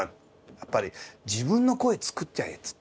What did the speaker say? やっぱり自分の声作っちゃえっつって。